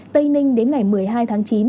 tây ninh đến ngày một mươi hai tháng chín